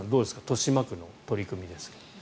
豊島区の取り組みですが。